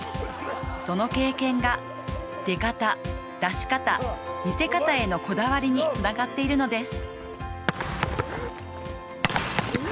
その経験が出方、出し方、見せ方へのこだわりにつながっているのです。